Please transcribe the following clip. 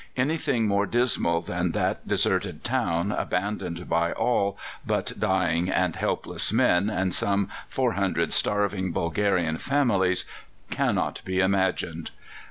Anything more dismal than that deserted town, abandoned by all but dying and helpless men and some 400 starving Bulgarian families, cannot be imagined.